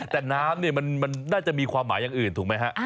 แต่น้ำเนี่ยมันน่าจะมีความหมายอย่างอื่นถูกไหมฮะ